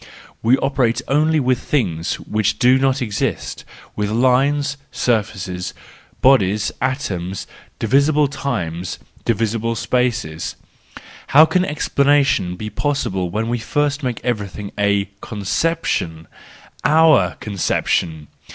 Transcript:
We operate only with things which do not exist, with lines, surfaces, bodies, atoms, divisible times, divisible spaces—how can explanation ever be possible when we first make everything a conception , our conception!